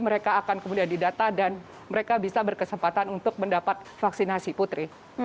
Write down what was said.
mereka akan kemudian didata dan mereka bisa berkesempatan untuk mendapat vaksinasi putri